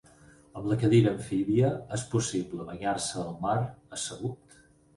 Amb la cadira amfíbia és possible banyar-se al mar assegut.